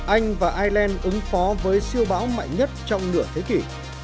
anh và ireland ứng phó với siêu bão mạnh nhất trong nửa thế kỷ